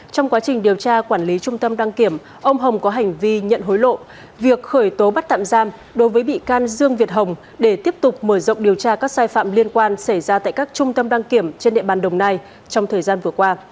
trong quá trình điều tra quản lý trung tâm đăng kiểm ông hồng có hành vi nhận hối lộ việc khởi tố bắt tạm giam đối với bị can dương việt hồng để tiếp tục mở rộng điều tra các sai phạm liên quan xảy ra tại các trung tâm đăng kiểm trên địa bàn đồng nai trong thời gian vừa qua